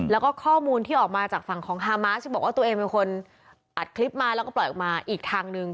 แล้วก็ข้อมูลที่ออกมาจากฝั่งของฮามาสบอกว่าตัวเองเป็นคนอัดคลิปมาแล้วก็ปล่อยออกมาอีกทางหนึ่ง